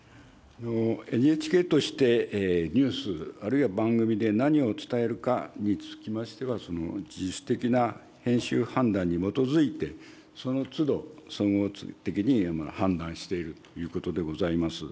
ＮＨＫとして、ニュースあるいは番組で何を伝えるかにつきましては、自主的な編集判断に基づいて、そのつど、総合的に判断しているということでございます。